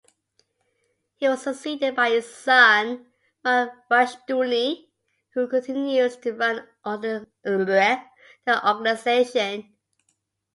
He was succeeded by his son Mark Rushdoony, who continues to run the organization.